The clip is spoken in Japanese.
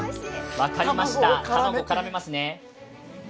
分かりました、卵、絡めますね。